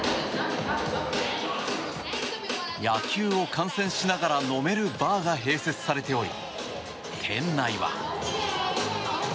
野球を観戦しながら飲めるバーが併設されており、店内は。